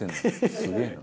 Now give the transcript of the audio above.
すげえな。